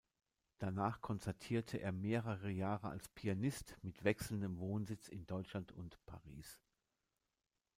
Danach konzertierte er mehrere Jahre als Pianist mit wechselndem Wohnsitz in Deutschland und Paris.